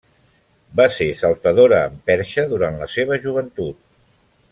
Va ser saltadora amb perxa durant la seva joventut.